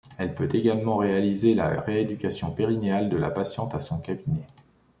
Elle peut également réaliser la rééducation périnéale de la patiente, à son cabinet.